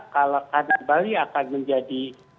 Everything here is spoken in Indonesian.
karena bali akan menjadi